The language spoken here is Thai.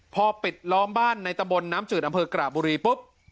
พอปิดล้อมบ้านในตะบนน้ำจืดอำเภอกระบุรีปุ๊บ